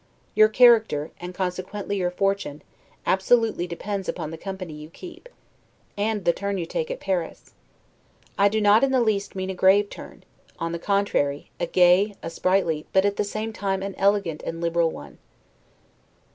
Your character, and consequently your fortune, absolutely depends upon the company you keep, and the turn you take at Paris. I do not in the least mean a grave turn; on the contrary, a gay, a sprightly, but, at the same time, an elegant and liberal one.